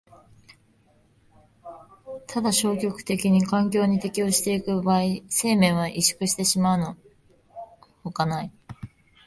ただ消極的に環境に適応してゆく場合、生命は萎縮してしまうのほかない。